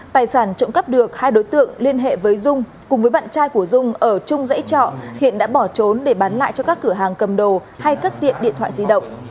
tài sản trộm cắp được hai đối tượng liên hệ với dung cùng với bạn trai của dung ở chung dãy trọ hiện đã bỏ trốn để bán lại cho các cửa hàng cầm đồ hay cắt điện thoại di động